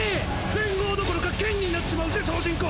連合どころか県になっちまうぜ総人口！！